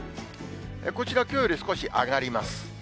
こちら、きょうより少し上がります。